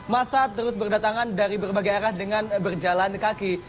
masa terus berdatangan dari berbagai arah dengan berjalan kaki